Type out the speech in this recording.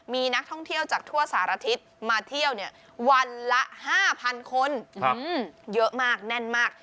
มีนักท่องเที่ยวจากทั่วสารทิศมาเที่ยววันละ๕๐๐๐คนเยอะมากแน่นมาก